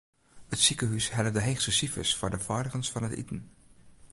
It sikehús helle de heechste sifers foar de feiligens fan iten.